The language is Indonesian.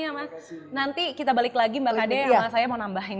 nanti kita balik lagi mbak kade mbak saya mau nambahin ya